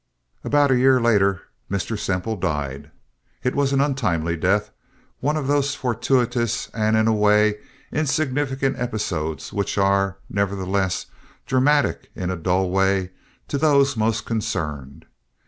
About a year later, Mr. Semple died. It was an untimely death, one of those fortuitous and in a way insignificant episodes which are, nevertheless, dramatic in a dull way to those most concerned.